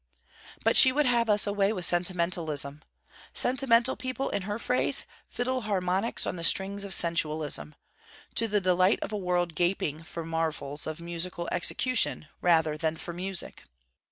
But she would have us away with sentimentalism. Sentimental people, in her phrase, 'fiddle harmonics on the strings of sensualism,' to the delight of a world gaping for marvels of musical execution rather than for music.